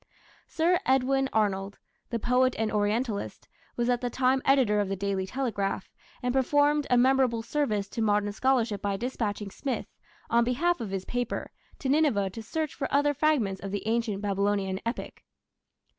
Sir Edwin Arnold, the poet and Orientalist, was at the time editor of the Daily Telegraph, and performed a memorable service to modern scholarship by dispatching Smith, on behalf of his paper, to Nineveh to search for other fragments of the Ancient Babylonian epic.